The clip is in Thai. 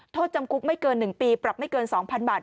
โทษจำคุกไม่เกินหนึ่งปีปรับไม่เกินสองพันบาท